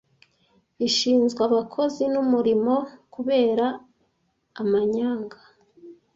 ishinzwe abakozi n’umurimo kubera amanyanga